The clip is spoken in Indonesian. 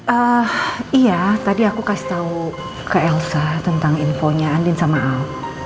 eh iya tadi aku kasih tau ke elsa tentang infonya andin sama al